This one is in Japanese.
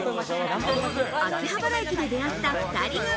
秋葉原駅で出会った２人組。